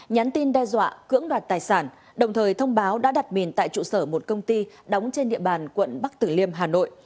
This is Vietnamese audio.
nhắn tin đe dọa cưỡng đoạt tài sản đồng thời thông báo đã đặt mình tại trụ sở một công ty đóng trên địa bàn quận bắc tử liêm hà nội